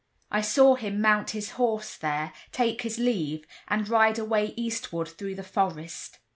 I saw him mount his horse there, take his leave, and ride away eastward through the forest.